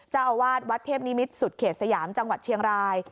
เจ้าอาวาสวัดเทพนิมิตรสุดเขตสยามจังหวัดเชียงราย